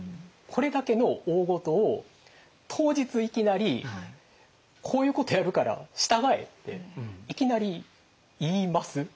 これだけの大ごとを当日いきなりこういうことをやるから従えっていきなり言います？